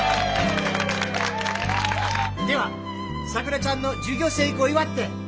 ではさくらちゃんの授業成功を祝って。